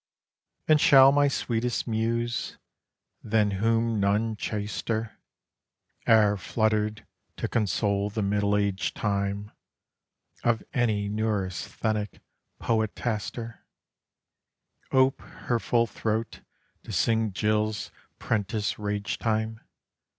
And shall my sweetest Muse, than whom none chaster E'er fluttered to console the middle age time Of any neurasthenic poetaster, Ope her full throat to sing Jill's 'prentice rage time?